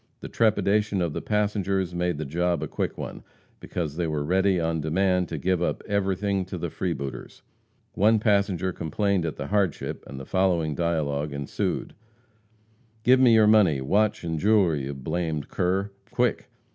The trepidation of the passengers made the job a quick one, because they were ready on demand to give up everything to the freebooters. One passenger complained at the hardship, and the following dialogue ensued: "Give me your money, watch and jewelry, you blamed cur! quick!"